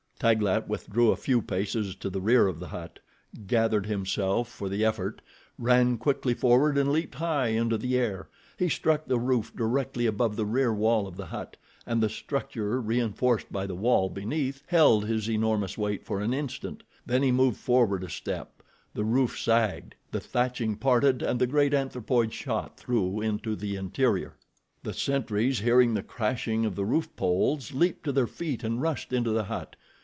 Taglat withdrew a few paces to the rear of the hut, gathered himself for the effort, ran quickly forward and leaped high into the air. He struck the roof directly above the rear wall of the hut, and the structure, reinforced by the wall beneath, held his enormous weight for an instant, then he moved forward a step, the roof sagged, the thatching parted and the great anthropoid shot through into the interior. The sentries, hearing the crashing of the roof poles, leaped to their feet and rushed into the hut.